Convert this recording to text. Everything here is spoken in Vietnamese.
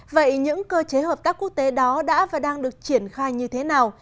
vậy những cơ chế hợp tác quốc tế đó đã và đang được triển khai như thế nào